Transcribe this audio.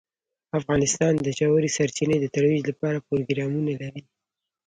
افغانستان د ژورې سرچینې د ترویج لپاره پروګرامونه لري.